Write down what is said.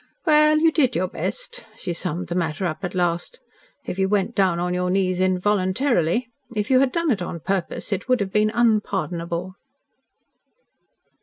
"Well, you did your best," she summed the matter up at last, "if you went down on your knees involuntarily. If you had done it on purpose, it would have been unpardonable."